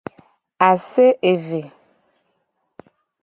Ase eve.